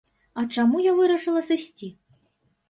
А чаму я вырашыла сысці?